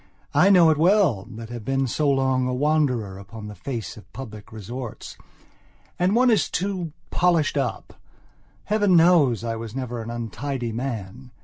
I know it well, that have been for so long a wanderer upon the face of public resorts. And one is too polished up. Heaven knows I was never an untidy man.